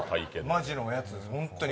マジのやつです、ホントに。